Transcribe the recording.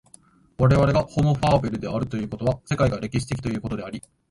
我々がホモ・ファーベルであるということは、世界が歴史的ということであり、